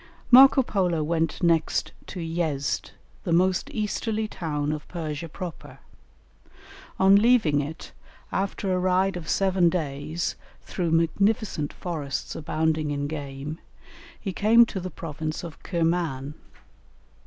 Marco Polo went next to Yezd, the most easterly town of Persia Proper; on leaving it, after a ride of seven days through magnificent forests abounding in game, he came to the province of Kirman.